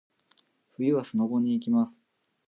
冬はスノボに行きます。